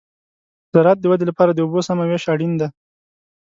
د زراعت د ودې لپاره د اوبو سمه وېش اړین دی.